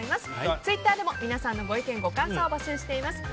ツイッターでもご意見、ご感想を募集しています。